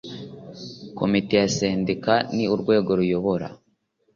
Komite ya sendika ni urwego ruyobora